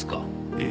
ええ。